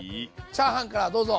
チャーハンからどうぞ！